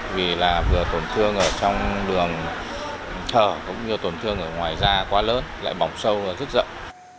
vì là vừa tổn thương ở trong đường thở cũng như tổn thương ở ngoài da quá lớn lại bỏng sâu rất rộng